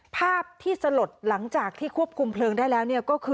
ภาพที่สลดหลังจากที่ควบคุมเวลาได้แล้ว